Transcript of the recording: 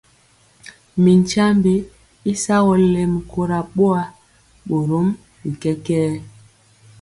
Mi tyiambe y sagɔ lɛmi kora boa, borom bi kɛkɛɛ.